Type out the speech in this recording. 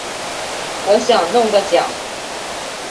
我想弄个奖